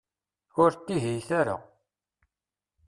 Ur ttihiyet ara.